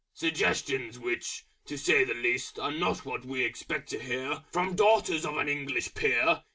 Suggestions which, to say the least, Are not what we expect to hear From Daughters of an English Peer.